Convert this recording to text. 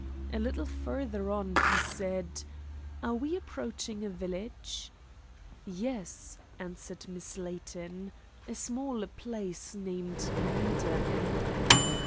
A little farther on he said: "Are we approaching a village?" "Yes," answered Miss Layton, "a small place named Needham."